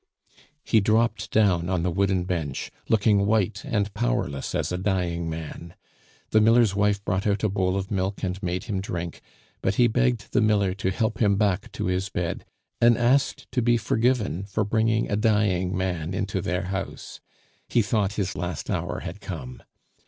He dropped down on the wooden bench, looking white and powerless as a dying man; the miller's wife brought out a bowl of milk and made him drink, but he begged the miller to help him back to his bed, and asked to be forgiven for bringing a dying man into their house. He thought his last hour had come.